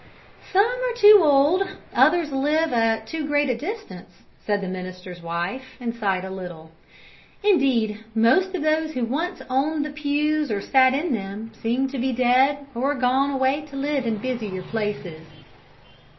"Some are too old, others live at too great a distance," and the minister's wife sighed a little; "indeed, most of those who once owned the pews or sat in them seemed to be dead, or gone away to live in busier places."